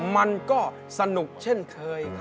มันก็สนุกเช่นเคย